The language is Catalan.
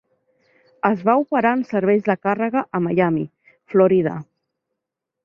Es va operar en serveis de càrrega a Miami, Florida.